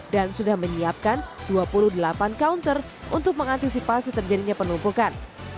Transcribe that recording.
dan sudah menyiapkan dua puluh delapan counter untuk mengantisipasi terjadinya penumpukan